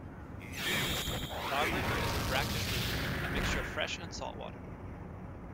Dog River is a brackish river - a mixture of fresh and saltwater.